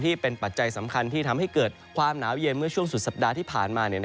ปัจจัยสำคัญที่ทำให้เกิดความหนาวเย็นเมื่อช่วงสุดสัปดาห์ที่ผ่านมา